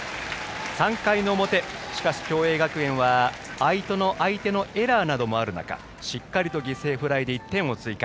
３回の表、しかし共栄学園は相手のエラーなどもある中しっかりと犠牲フライで１点を追加。